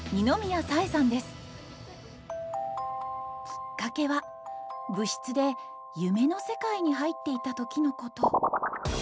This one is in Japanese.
きっかけは部室で夢の世界に入っていた時のこと。